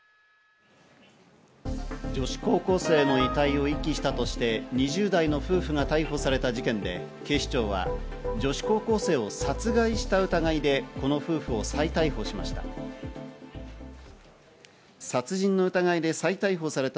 女子高校生の遺体を遺棄したとして２０代の夫婦が逮捕された事件で警視庁は、女子高校生を殺害した疑いでこの夫婦を再逮捕しました。